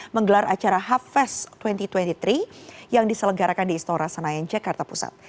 menggelar acara havest dua ribu dua puluh tiga yang diselenggarakan di istora senayan jakarta pusat